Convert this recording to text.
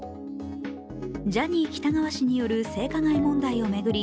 ジャニー喜多川氏による性加害問題を巡り